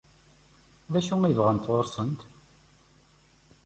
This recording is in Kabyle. D acu i bɣant ɣur-sent?